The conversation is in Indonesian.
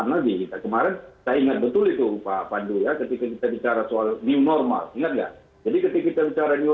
lagi ista kemarin saya bagus tuh lupa pandu yang seperti kita bicara soal new normal ng punktu